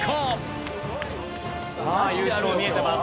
さあ優勝見えてます。